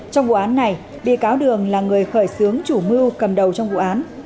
trong vụ án này bị cáo đường là người khởi xướng chủ mưu cầm đầu trong vụ án